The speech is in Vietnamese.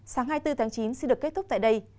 sáng hai mươi bốn tháng chín xin được kết thúc tại đây